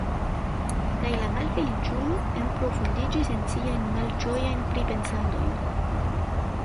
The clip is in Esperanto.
Kaj la malfeliĉulo enprofundiĝis en siajn malĝojajn pripensadojn.